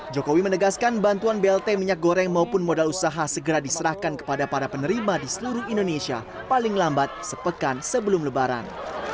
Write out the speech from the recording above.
jokowi menegaskan bantuan blt minyak goreng maupun modal usaha segera diserahkan kepada para penerima di seluruh indonesia paling lambat sepekan sebelum lebaran